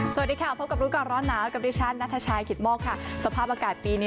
สวัสดีค่ะพบกับรู้ก่อนร้อนหนาวกับดิฉันนัทชายกิตโมกค่ะสภาพอากาศปีนี้